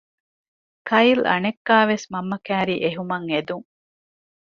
ކައިލް އަނެއްކާވެސް މަންމަ ކައިރީ އެހުމަށް އެދުން